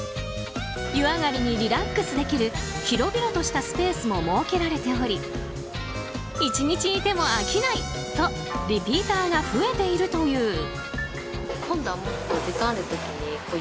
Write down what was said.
湯上がりにリラックスできる広々としたスペースも設けられており１日いても飽きないとリピーターが増えているという。